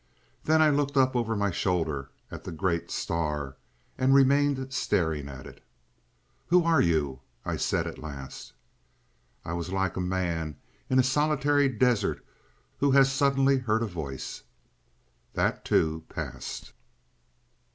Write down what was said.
Then I looked up over my shoulder at the great star, and remained staring at it. "Who are you?" I said at last. I was like a man in a solitary desert who has suddenly heard a voice. ... That, too, passed.